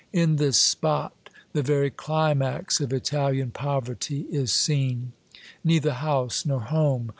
In this spot the very climax of Italian pov erty is seen. Neither house nor home.